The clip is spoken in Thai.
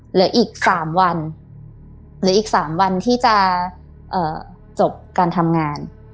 เหลืออีกสามวันหรืออีกสามวันที่จะเอ่อจบการทำงาน